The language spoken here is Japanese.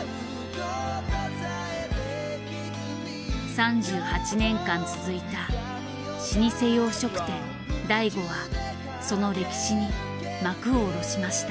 ３８年間続いた老舗洋食店醍醐はその歴史に幕を下ろしました。